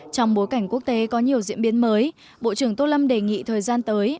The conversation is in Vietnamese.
trong bối cảnh quốc tế có nhiều diễn biến mới bộ trưởng tô lâm đề nghị thời gian tới